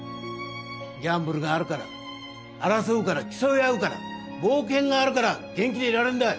ギャンブルがあるから争うから競い合うから冒険があるから元気でいられるんだ。